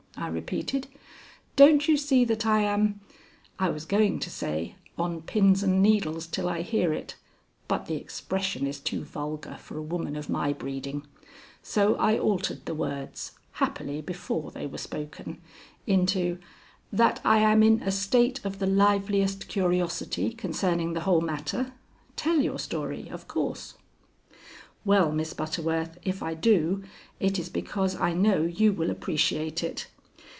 I repeated. "Don't you see that I am" I was going to say "on pins and needles till I hear it," but the expression is too vulgar for a woman of my breeding; so I altered the words, happily before they were spoken, into "that I am in a state of the liveliest curiosity concerning the whole matter? Tell your story, of course." "Well, Miss Butterworth, if I do, it is because I know you will appreciate it.